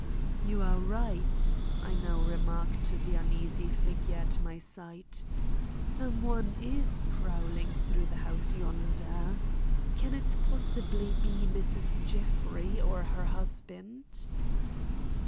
"You are right," I now remarked to the uneasy figure at my side. "Some one is prowling through the house yonder. Can it possibly be Mrs. Jeffrey or her husband?"